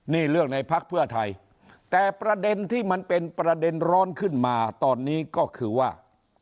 นี่เรื่องในพักเพื่อไทยแต่ประเด็นที่มันเป็นประเด็นร้อนขึ้นมาตอนนี้ก็คือว่า